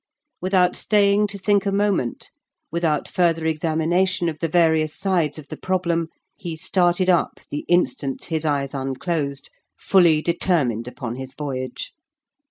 Without staying to think a moment, without further examination of the various sides of the problem, he started up the instant his eyes unclosed, fully determined upon his voyage.